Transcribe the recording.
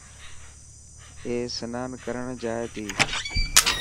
اي سنان ڪرڻ جائي تي.